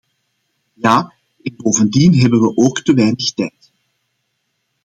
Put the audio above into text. Ja, en bovendien hebben we ook te weinig tijd.